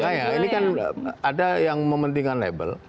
maka ya ini kan ada yang mementingkan level